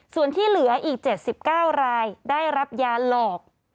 ส่วนที่เหลืออีก๗๙รายได้รับยาหลอก